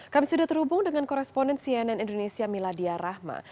kami sudah terhubung dengan koresponen cnn indonesia miladia rahma